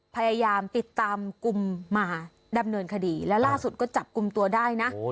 พยายามติดตามกลุ่มมาดำเนินคดีแล้วล่าสุดก็จับกลุ่มตัวได้นะ